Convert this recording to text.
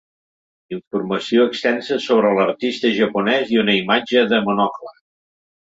Informació extensa sobre l'artista japonès i una imatge de “Monocle”.